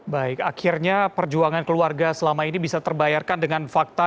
baik akhirnya perjuangan keluarga selama ini bisa terbayarkan dengan fakta